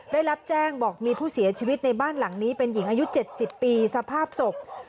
ได้รับแจ้งบอกมีผู้เสียชีวิตในบ้านหลังนี้เป็นหญิงอายุ๗๐ปีสภาพศพ